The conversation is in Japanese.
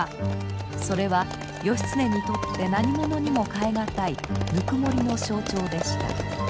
それは義経にとって何ものにも代え難いぬくもりの象徴でした。